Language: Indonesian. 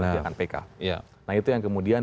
dengan pk nah itu yang kemudian